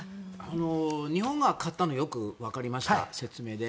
日本が勝ったのはよく分かりました、説明で。